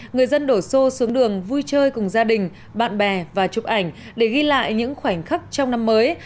người dân đổ xô xuống đường vui chơi cùng gia đình bạn bè và chụp ảnh để ghi lại những khoảnh khắc trong năm mới